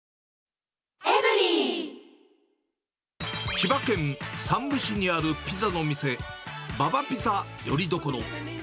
千葉県山武市にあるピザの店、ババピザよりどころ。